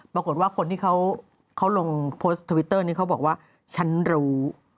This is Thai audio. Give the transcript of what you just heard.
ปรากฏว่าคนที่เขาลงโพสต์ทวิตเตอร์นี้เขาบอกว่าฉันรู้